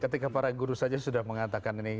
ketika para guru saja sudah mengatakan ini